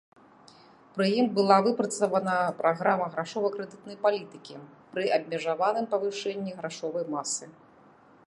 Пры ім была выпрацавана праграма грашова-крэдытнай палітыкі пры абмежаваным павышэнні грашовай масы.